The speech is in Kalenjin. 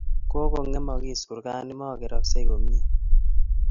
Kokong'emagis kurgani, mokeraksey komnye